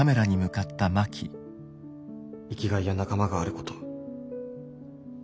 生きがいや仲間があること。